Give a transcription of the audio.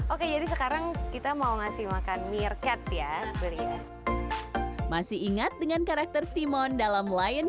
oke jadi sekarang kita mau ngasih makan meerkat ya masih ingat dengan karakter timon dalam lion